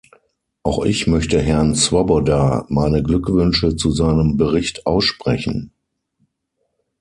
Auch ich möchte Herrn Swoboda meine Glückwünsche zu seinem Bericht aussprechen.